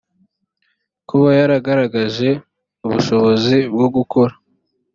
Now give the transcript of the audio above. kuba yaragaragaje ubushobozi bwo gukora